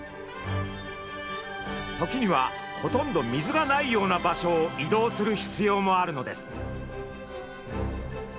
時にはほとんど水がないような場所を移動する必要もあるのです。